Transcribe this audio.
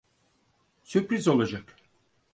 Sürpriz olacak.